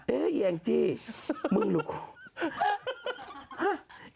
เอ๊ะเอียงจี้มึงหลุง